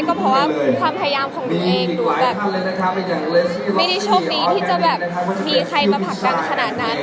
ก็เพราะว่าความพยายามของหนูเองหนูแบบไม่ได้โชคดีที่จะแบบมีใครมาผลักดันขนาดนั้น